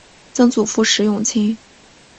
曾祖父石永清。